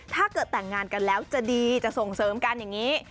ถ้าเกิดแต่งงานกันแล้วจะดีจะส่งเสริมกันอย่างนี้